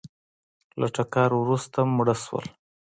له ټکر وروسته مړه شول